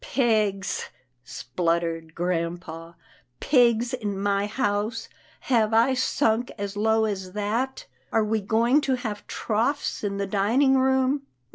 " Pigs," spluttered grampa, " pigs in my house — Have I sunk as low as that? Are we going to have troughs in the dining room